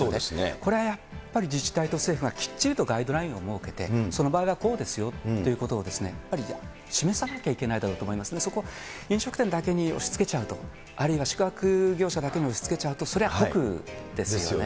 これはやっぱり自治体と政府がきっちりとガイドラインを設けて、その場合はこうですよっていうことをやっぱり示さなきゃいけないだろうと思いますね、そこを飲食店だけに押しつけちゃうと、あるいは宿泊業者だけに押しつけちゃうと、それは酷ですよね。